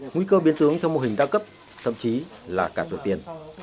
nguy cơ biến tướng theo mô hình đa cấp thậm chí là cả dự tiên